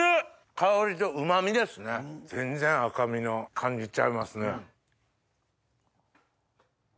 香りとうまみですね全然赤身の感じちゃいますね。